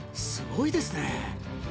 すごいですね！